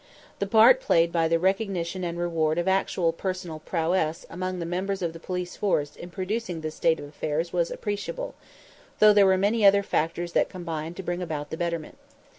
The part played by the recognition and reward of actual personal prowess among the members of the police force in producing this state of affairs was appreciable, though there were many other factors that combined to bring about the betterment.